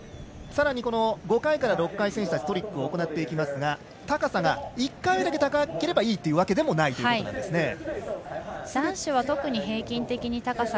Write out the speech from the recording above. さらに、５回から６回選手たちはトリックを行ってきますが高さが１回目だけ高ければいいというわけではないんですね。